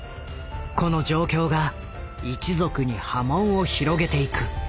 この状況が一族に波紋を広げていく。